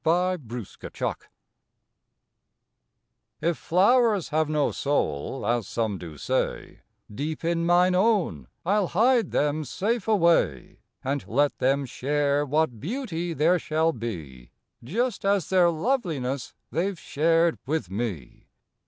March Sixteenth FLOWERS TF flowers have no soul, as some do say, Deep in mine own I ll hide them safe away And let them share what beauty there shall be, Just as their loveliness they ve shared with me.